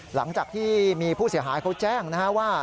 หลังจากที่มีผู้เสียหายเขาแจ้งนะฮะว่า